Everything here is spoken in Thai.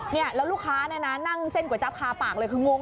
เนี่ยแล้วลูกค้าเนี่ยนะนั่งเส้นก๋วยจับคาปากเลยคืองง